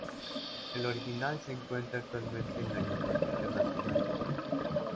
El original se encuentra actualmente en la Biblioteca Nacional de Madrid.